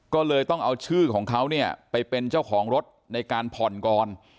ก็เลยต้องเอาชื่อของเขาเนี่ยไปเป็นเจ้าของรถในการผ่อนก่อน